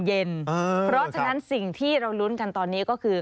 เพราะฉะนั้นสิ่งที่เราลุ้นกันตอนนี้ก็คือ